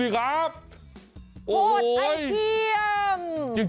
คนลุก